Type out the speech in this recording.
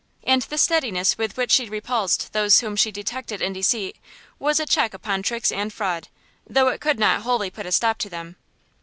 And the steadiness with which she repulsed those whom she detected in deceit, was a check upon tricks and fraud, though it could not wholly put a stop to them.